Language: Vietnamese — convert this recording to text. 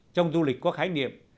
trong du lịch có khái niệm